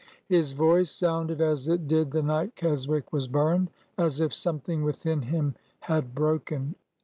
His voice sounded as it did the night Keswick was burned, — as if something within him had broken.